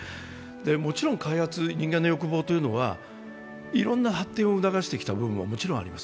もちろん開発、人間の欲望というのはいろんな発展を促してきた部分ももちろんあります。